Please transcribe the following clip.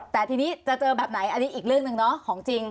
แต่ทีนี้จะเจอแบบไหนอันนี้อีกเรื่องหนึ่งเนาะของจริง